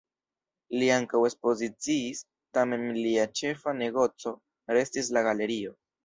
Li ankaŭ ekspoziciis, tamen lia ĉefa negoco restis la galerio.